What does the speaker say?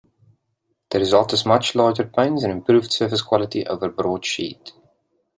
The result is much larger panes and improved surface quality over broad sheet.